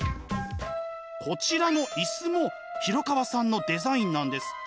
こちらの椅子も廣川さんのデザインなんですって。